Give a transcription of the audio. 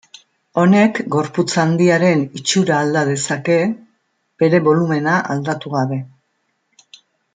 Honek gorputz handiaren itxura alda dezake, bere bolumena aldatu gabe.